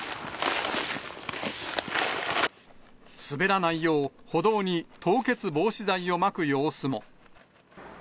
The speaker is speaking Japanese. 滑らないよう、歩道に凍結防止剤をまく様子も。